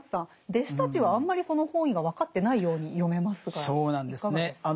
弟子たちはあんまりその本意が分かってないように読めますがいかがですか？